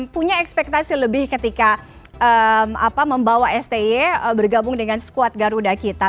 punya ekspektasi lebih ketika membawa sti bergabung dengan squad garuda kita